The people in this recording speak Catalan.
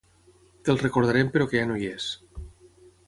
Que el recordarem però que ja no hi és.